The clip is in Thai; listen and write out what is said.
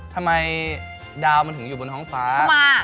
ทำไมดาวมันถึงอยู่บนท้องฟ้า